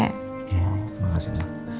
iya mbak terima kasih mbak